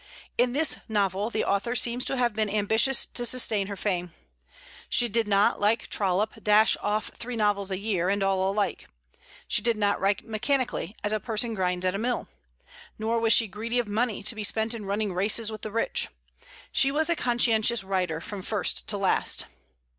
In this novel the author seems to have been ambitious to sustain her fame. She did not, like Trollope, dash off three novels a year, and all alike. She did not write mechanically, as a person grinds at a mill. Nor was she greedy of money, to be spent in running races with the rich. She was a conscientious writer from first to last.